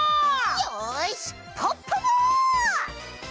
よしポッポも！